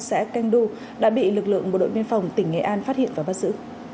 xã canh du đã bị lực lượng bộ đội biên phòng tỉnh nghệ an phát hiện và bắt giữ